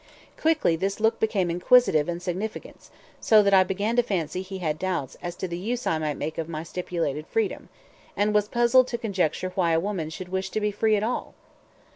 Quickly this look became inquisitive and significant, so that I began to fancy he had doubts as to the use I might make of my stipulated freedom, and was puzzled to conjecture why a woman should wish to be free at all.